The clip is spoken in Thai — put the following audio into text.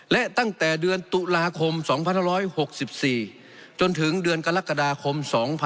และตั้งแต่เดือนตุลาคม๒๑๖๔จนถึงเดือนกรกฎาคม๒๕๖๒